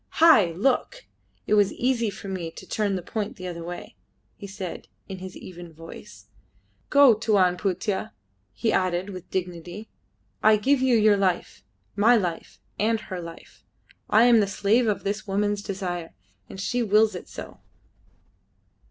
"Hai, look! It was easy for me to turn the point the other way," he said in his even voice. "Go, Tuan Putih," he added with dignity. "I give you your life, my life, and her life. I am the slave of this woman's desire, and she wills it so."